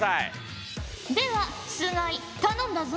では須貝頼んだぞ。